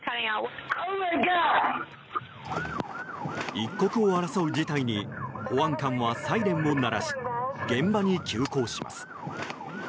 一刻を争う事態に保安官はサイレンを鳴らし現場に急行します。